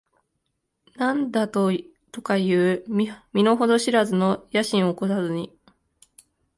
何だとかいう身の程知らずな野心を起こさずに、